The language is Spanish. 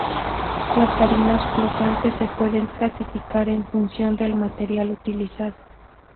Las tarimas flotantes se pueden clasificar en función del material utilizado.